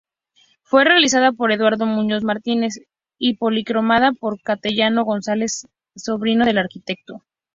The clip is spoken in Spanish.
Fue realizada por Eduardo Muñoz Martínez y policromada por Cayetano González, sobrino del arquitecto.